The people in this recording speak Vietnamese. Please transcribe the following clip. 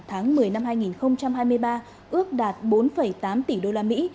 một mươi tháng năm hai nghìn hai mươi ba ước đạt bốn tám tỷ đô la mỹ